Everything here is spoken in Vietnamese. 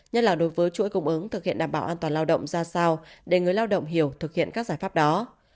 nhất là đối với chuỗi cung ứng thực hiện đảm bảo an toàn lao động ra sao để người lao động hiểu thực hiện các giải pháp đó